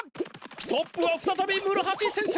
トップはふたたびむろはし先生。